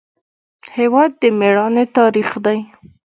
هېواد د میړانې تاریخ دی.